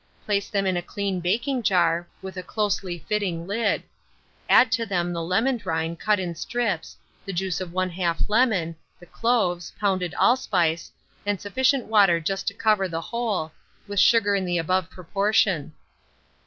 Place them in a clean baking jar, with a closely fitting lid; add to them the lemon rind cut in strips, the juice of 1/2 lemon, the cloves, pounded allspice, and sufficient water just to cover the whole, with sugar in the above proportion.